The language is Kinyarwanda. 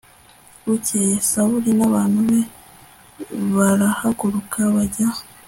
bukeye sawuli n abantu be barahaguruka bajya